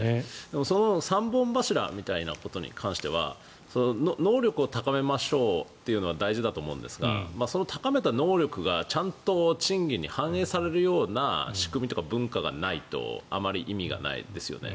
その３本柱みたいなことに関しては能力を高めましょうというのは大事だと思うんですがその高めた能力がちゃんと賃上げに反映されるような仕組みとか文化がないとあまり意味がないですよね。